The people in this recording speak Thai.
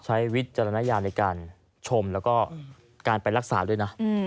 วิจารณญาณในการชมแล้วก็การไปรักษาด้วยนะ